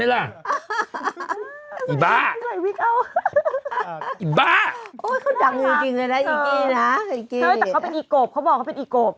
แต่เขาเป็นอีกบเขาบอกเขาเป็นอีกกบ